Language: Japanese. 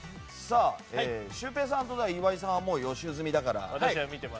シュウペイさんと岩井さんは予習済みだから。